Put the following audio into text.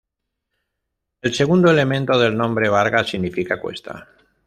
El segundo elemento del nombre, varga, significa "cuesta".